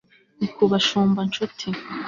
Ni kubashumba nshuti